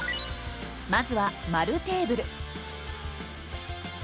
まずは丸テーブル。